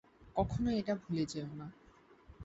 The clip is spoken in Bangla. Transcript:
কখনো এটা ভুলে যেও না।